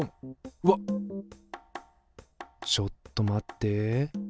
うわっちょっと待って。